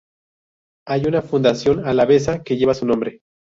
Hay una Fundación alavesa que lleva su nombre.